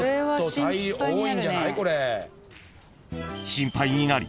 ［心配になり］